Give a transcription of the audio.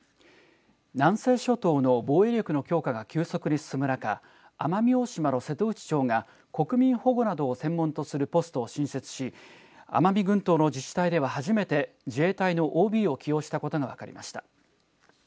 南西諸島の防衛力の強化が急速に進む中奄美大島の瀬戸内町が国民保護などを専門とするポストを新設し奄美群島の自治体では初めて自衛隊のＯＢを起用したことが分かりました。